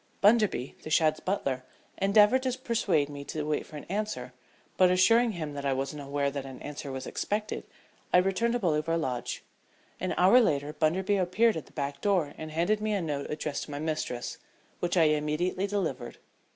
Bunderby, the Shadd's butler, endeavored to persuade me to wait for an answer, but assuring him that I wasn't aware that an answer was expected I returned to Bolivar Lodge. An hour later Bunderby appeared at the back door and handed me a note addressed to my mistress, which I immediately delivered.